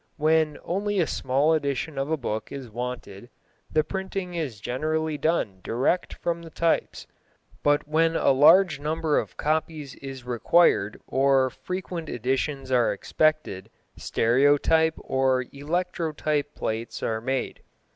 When only a small edition of a book is wanted the printing is generally done direct from the types, but when a large number of copies is required or frequent editions are expected, stereotype or electrotype plates are made.